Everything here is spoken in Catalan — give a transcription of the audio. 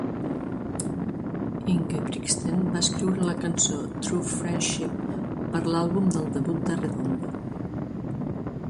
Ingebrigtsen va escriure la cançó "True Friendship" per l'àlbum del debut d'Arredondo.